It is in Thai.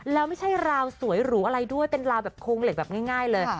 แล้วไม่ใช่ราวสวยหรูอะไรด้วยเป็นราวแบบโครงเหล็กแบบง่ายเลย